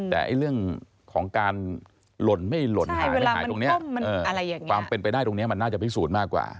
แต่เรื่องของการหล่นไม่หล่นหายไม่หายตรงเนี่ย